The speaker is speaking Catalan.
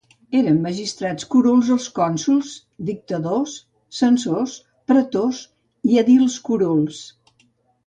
Eren magistrats curuls els cònsols, dictadors, censors, pretors i edils curuls.